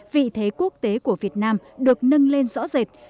vị thế quốc tế của việt nam được nâng lên rõ rệt